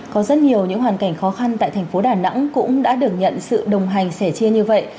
có rất nhiều những hoàn cảnh khó khăn tại thành phố đà nẵng cũng đã được nhận sự đồng hành sẻ chia như vậy